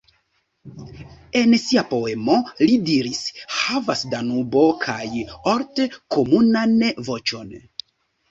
En sia poemo li diras: Havas Danubo kaj Olt komunan voĉon.